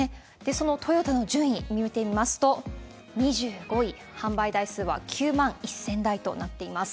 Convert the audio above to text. そのトヨタの順位、見てみますと、２５位、販売台数は９万１０００台となっています。